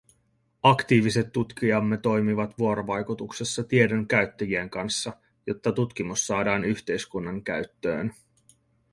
Aktiiviset tutkijamme toimivat vuorovaikutuksessa tiedon käyttäjien kanssa, jotta tutkimus saadaan yhteiskunnan käyttöön.